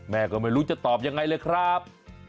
ก็ไม่รู้จะตอบยังไงเลยครับ